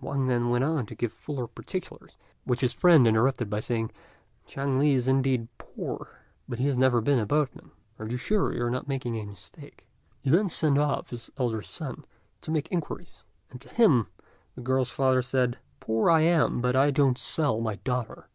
Wang then went on to give fuller particulars, which his friend interrupted by saying, "Chang li is indeed poor, but he has never been a boatman. Are you sure you are not making a mistake?" He then sent off his elder son to make inquiries; and to him the girl's father said, "Poor I am, but I don't sell my daughter.